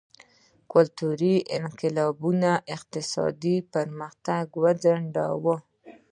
کلتوري انقلاب اقتصادي پرمختګ وځنډاوه.